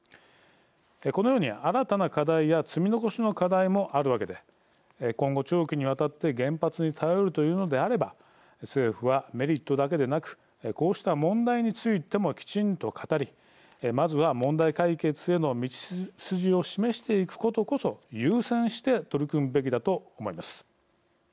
このように、新たな課題や積み残しの課題もあるわけで今後、長期にわたって原発に頼るというのであれば政府はメリットだけでなくこうした問題についてもきちんと語りまずは問題解決への道筋を示していくことこそ優先して取り組むべきだと思います。